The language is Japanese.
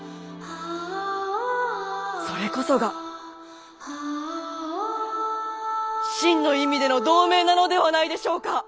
それこそが真の意味での同盟なのではないでしょうか。